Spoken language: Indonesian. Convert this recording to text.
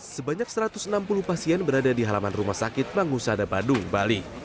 sebanyak satu ratus enam puluh pasien berada di halaman rumah sakit bangusada badung bali